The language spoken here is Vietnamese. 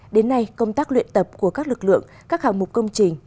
đến nay công tác luyện tập của các lực lượng các hạng mục công trình